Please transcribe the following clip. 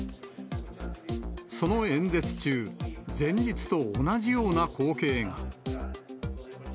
その演説中、前日と同じような光景が。